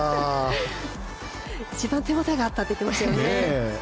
一番手応えがあったと言っていましたよね。